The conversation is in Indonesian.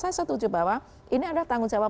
saya setuju bahwa ini adalah tanggung jawab